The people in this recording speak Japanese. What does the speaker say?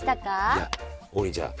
いや王林ちゃん